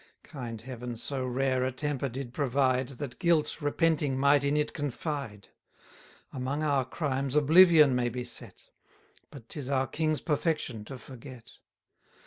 Kind Heaven so rare a temper did provide, That guilt, repenting, might in it confide. Among our crimes oblivion may be set; But 'tis our king's perfection to forget.